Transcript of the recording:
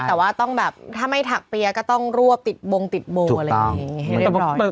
แต่ว่าต้องแบบถ้าไม่ถักเปรียก็ต้องรวบติดบงติดบงอะไรอย่างนี้